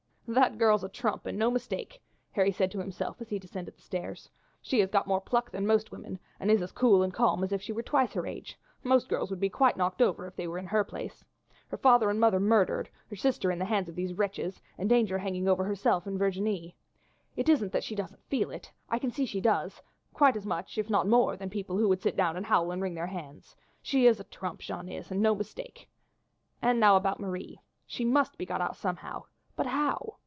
"That girl's a trump, and no mistake," Harry said to himself as he descended the stairs. "She has got more pluck than most women, and is as cool and calm as if she were twice her age. Most girls would be quite knocked over if they were in her place. Her father and mother murdered, her sister in the hands of these wretches, and danger hanging over herself and Virginie! It isn't that she doesn't feel it. I can see she does, quite as much, if not more, than people who would sit down and howl and wring their hands. She is a trump, Jeanne is, and no mistake. And now about Marie. She must be got out somehow, but how?